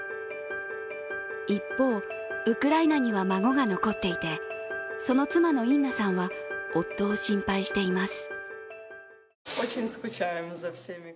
一方、ウクライナには孫が残っていて、その妻のインナさんは夫を心配しています。